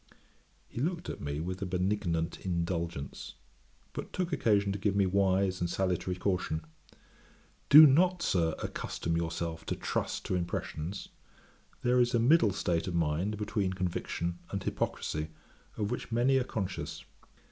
He looked at me with a benignant indulgence; but took occasion to give me wise and salutary caution. 'Do not, Sir, accustom yourself to trust to impressions. There is a middle state of mind between conviction and hypocrisy, of which many are conscious.